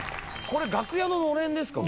これ楽屋ののれんですか？